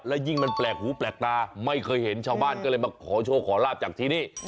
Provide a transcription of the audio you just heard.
และยิ่งมันแปลกหูแปลกตาไม่เคยเห็นชาวบ้านก็เลยมาขอโชคขอลาบจากที่นี่